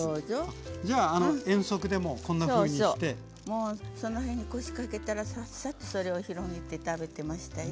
もうその辺に腰掛けたらさっさとそれを広げて食べてましたよ。